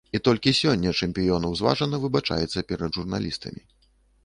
І толькі сёння чэмпіён узважана выбачаецца перад журналістамі.